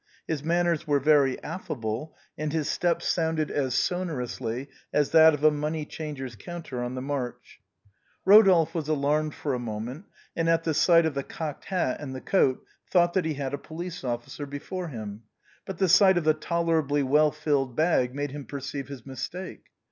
His manners were very affable and his steps sounded as sonor ously as that of a money changer's counter on the march. 113 114 THE BOHEMIANS OP THE LATIN QUARTER. Rodolphe was alarmed for a moment, and at the sight of the cocked hat and the coat thought that he had a police officer before him. But the sight of the tolerably well filled bag made him perceive his mistake.